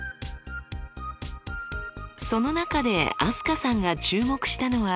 その中で飛鳥さんが注目したのは。